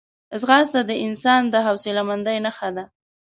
ځغاسته د انسان د حوصلهمندۍ نښه ده